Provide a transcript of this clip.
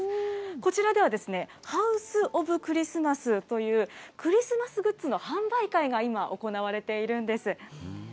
こちらでは、ハウス・オブ・クリスマスという、クリスマスグッズの販売会が、今、行われているんです。